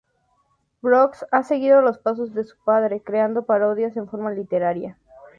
Brooks ha seguido los pasos de su padre creando parodias en forma literaria.